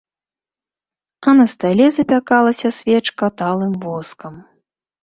А на стале запякалася свечка талым воскам.